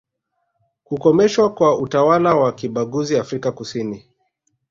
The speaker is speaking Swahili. kukomeshwa kwa utawala wa kibaguzi Afrika kusini